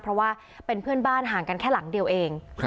เพราะว่าเป็นเพื่อนบ้านห่างกันแค่หลังเดียวเอง